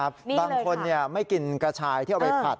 บางคนไม่กินกระชายที่เอาไปผัด